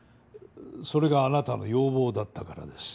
それがあなたの要望だったからです。